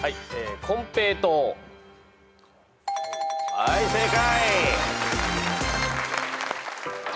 はい正解。